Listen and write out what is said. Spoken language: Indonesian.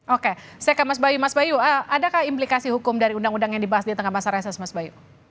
oke saya ke mas bayu mas bayu adakah implikasi hukum dari undang undang yang dibahas di tengah masa reses mas bayu